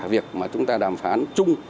việc mà chúng ta đàm phán chung